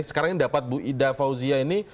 sekarang ini dapat ida fauzia ini